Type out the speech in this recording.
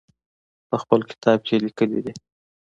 په خپل کتاب کې یې لیکلي دي.